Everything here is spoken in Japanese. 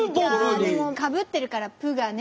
でもかぶってるから「プ」がね。